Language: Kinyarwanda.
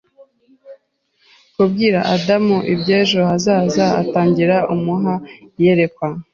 kubwira Adamu iby'ejo hazaza atangira amuha iyerekwa